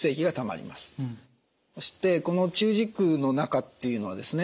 そしてこの中耳腔の中っていうのはですね